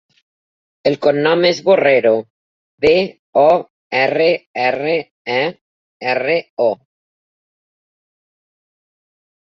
El cognom és Borrero: be, o, erra, erra, e, erra, o.